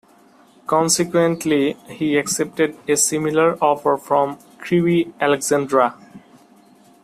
Consequently, he accepted a similar offer from Crewe Alexandra.